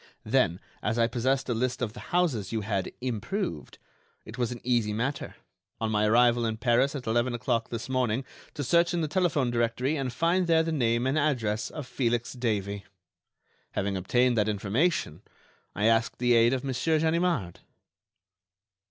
Then, as I possessed a list of the houses you had 'improved,' it was an easy matter, on my arrival in Paris at eleven o'clock this morning, to search in the telephone directory and find there the name and address of Felix Davey. Having obtained that information, I asked the aid of Monsieur Ganimard."